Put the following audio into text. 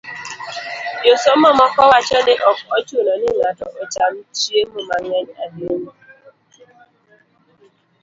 Josomo moko wacho ni ok ochuno ni ng'ato ocham chiemo mang'eny ahinya